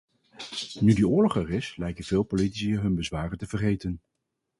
Nu die oorlog er is, lijken veel politici hun bezwaren te vergeten.